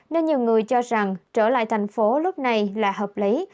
nên nhiều người cho rằng trở lại thành phố lúc này là hợp lý